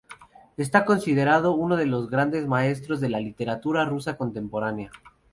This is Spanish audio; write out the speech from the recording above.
Está considerado uno de los grandes maestros de la literatura rusa contemporánea.